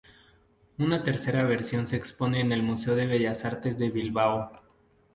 Una tercera versión se expone en el Museo de Bellas Artes de Bilbao.